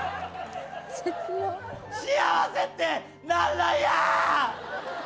幸せって何なんや！！